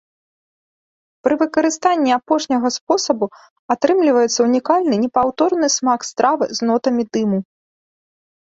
Пры выкарыстанні апошняга спосабу атрымліваецца унікальны непаўторны смак стравы з нотамі дыму.